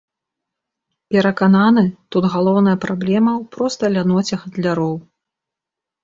Перакананы, тут галоўная праблема ў простай ляноце гандляроў.